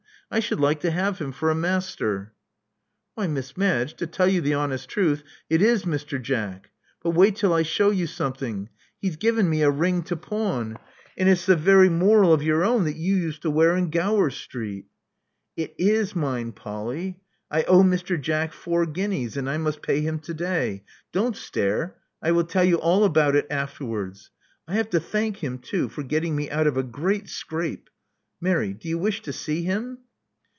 I should like to have him for a master." •*Why, Miss Madge, to tell you the honest truth, it is Mr. Jack. But wait till I show you something. He's given me a ring to pawn; and it's the very moral of your own that you used to wear in Gower Street" •*It is mine, Polly. I owe Mr. Jack four guineas; and I must pay him to day. Don't stare: I will tell you all about it afterwards. I have to thank him too, for getting me out of a great scrape. Mary: do you wish to see him?"